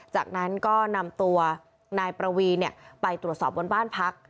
จากนั้นก็นำตัวนายประวีไปตรวจสอบบนบ้านพัก